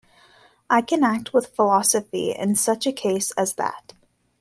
I can act with philosophy in such a case as that.